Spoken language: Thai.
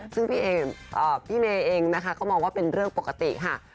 ซึ่งพี่เอ๋พี่เมย์ที่เองก็มองเป็นเรื่องประติภาพค่ะ